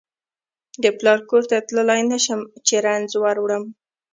د پلار کور ته تللای نشم چې رنځ وروړم